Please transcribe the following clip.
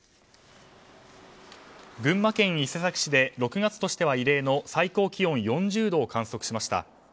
群馬県伊勢崎市で６月としては異例の最高気温４０度を観測しました。